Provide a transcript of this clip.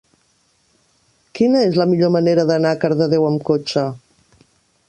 Quina és la millor manera d'anar a Cardedeu amb cotxe?